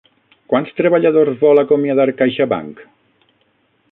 Quants treballadors vol acomiadar CaixaBank?